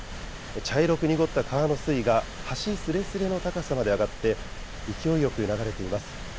茶色く濁った川の水位が橋すれすれの高さまで上がって勢いよく流れています。